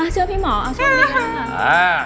เชื่อพี่หมอเอาโชคดี